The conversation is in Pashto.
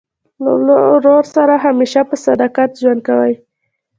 له ورور سره همېشه په صداقت ژوند کوئ!